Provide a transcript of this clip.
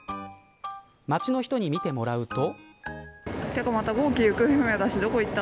街の人に見てもらうと。